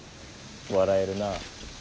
笑えるな。